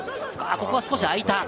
ここは少し空いた。